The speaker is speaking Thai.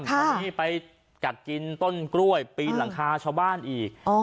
ตอนนี้ไปกัดกินต้นกล้วยปีนหลังคาชาวบ้านอีก